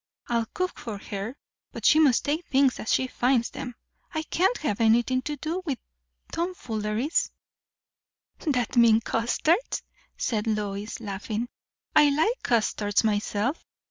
I'll cook for her, but she must take things as she finds them. I can't have anything to do with tomfooleries." "That means custards?" said Lois, laughing. "I like custards myself.